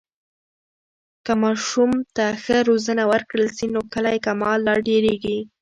که ماشوم ته ښه روزنه ورکړل سي، نو کلی کمال لا ډېرېږي.